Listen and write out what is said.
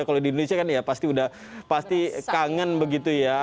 kalau di indonesia kan pasti kangen begitu ya